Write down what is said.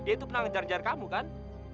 itu pernah ngejar jar kamu kan